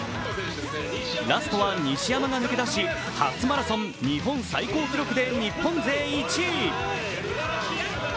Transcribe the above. ラストは西山が抜け出し初マラソン日本最高記録で日本勢１位。